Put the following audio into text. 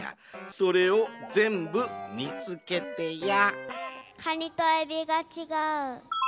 それをぜんぶみつけてや。